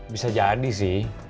bisa jadi sih